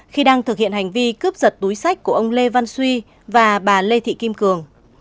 khi đang thực hiện hành vi cướp giật túi sách của ông lê văn suy và bà lê thị kim cường